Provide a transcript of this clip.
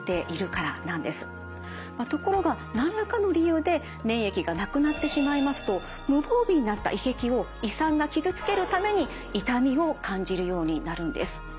ところが何らかの理由で粘液がなくなってしまいますと無防備になった胃壁を胃酸が傷つけるために痛みを感じるようになるんです。